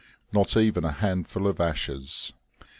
Not even a handful of ashes.